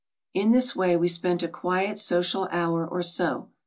In this way we spent a quiet social hour or so.